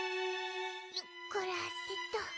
よっこらせっと。